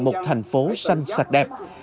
một thành phố xanh sạch đẹp